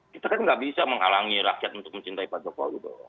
kita kan nggak bisa menghalangi rakyat untuk mencintai pak jokowi